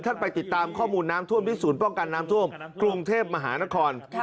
ไปติดตามข้อมูลน้ำท่วมที่ศูนย์ป้องกันน้ำท่วมกรุงเทพมหานคร